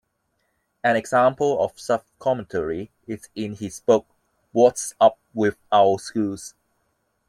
An example of such commentary is his book What's Up with Our Schools?